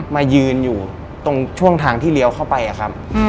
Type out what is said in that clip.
มายืนอยู่ตรงช่วงทางที่เลี้ยวเข้าไปอะครับ